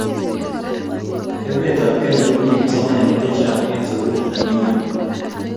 emet ab kenya kotinye kipsomanink chechang en sukulit nemii ingweng